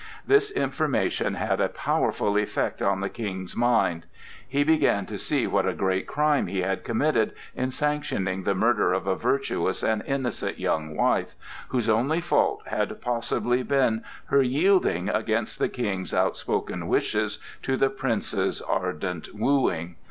This information had a powerful effect on the King's mind. He began to see what a great crime he had committed in sanctioning the murder of a virtuous and innocent young wife, whose only fault had possibly been her yielding, against the King's outspoken wishes, to the Prince's ardent wooing.